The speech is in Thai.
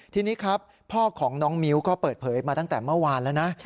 ทีนี้ครับพ่อของน้องมิ้วก็เปิดเผยมาตั้งแต่เมื่อวานแล้วนะ